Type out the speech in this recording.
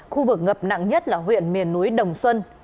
khu vực ngập nặng nhất là huyện miền núi đồng xuân